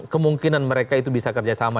kemungkinan mereka itu bisa kerjasama